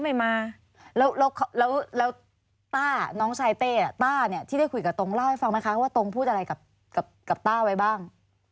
แล้วทางต้าน้องชายเต้ที่ได้คุยกับตงเล่าให้ฟังไหมว่าต้องพูดอะไรกับต้าไว้บ้าง